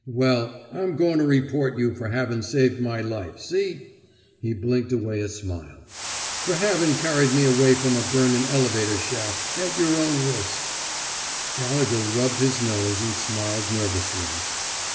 Well, I'm goin' to report you fer havin' saved my life, see! " He blinked away a smile. *^ Fer havin' carried me away from a bumin' elevator shaft at yer own risk —" Gallegher rubbed his nose and smiled nervously.